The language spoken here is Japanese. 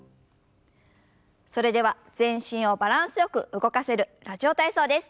それでは全身をバランスよく動かせる「ラジオ体操」です。